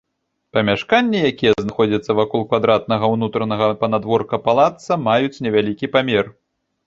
Памяшканні, якія знаходзяцца вакол квадратнага ўнутранага панадворка палацца, маюць невялікі памер.